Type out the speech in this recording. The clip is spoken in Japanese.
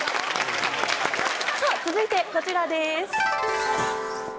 さぁ続いてこちらです。